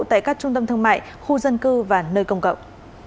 tại các trung tâm thương mại khu dân cư và nơi công cộng